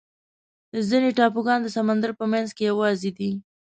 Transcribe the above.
ځینې ټاپوګان د سمندر په منځ کې یوازې دي.